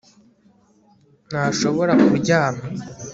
Ntashobora kuryama